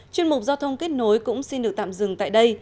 chuyên mục giao thông kết nối cũng xin được tạm dừng tại đây